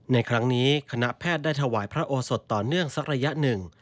ในครั้งนี้คณะแพทย์ได้ถวายพระโอสดต่อเนื่องสักระยะหนึ่ง